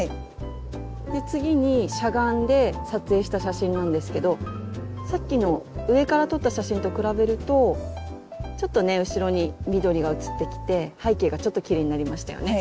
次にしゃがんで撮影した写真なんですけどさっきの上から撮った写真と比べるとちょっとね後ろに緑が写ってきて背景がちょっときれいになりましたよね。